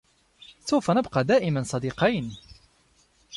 سوف نبق دائما صديقين.